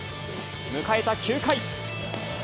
迎えた９回。